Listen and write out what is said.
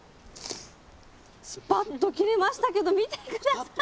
スパッと切れましたけど見て下さい。